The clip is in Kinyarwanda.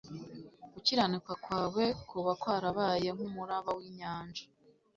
gukiranuka kwawe kuba kwarabaye nk'umuraba w'inyanja'."